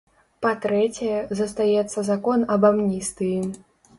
Па-трэцяе, застаецца закон аб амністыі.